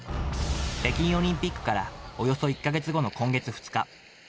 北京オリンピックからおよそ１か月後の今月２日。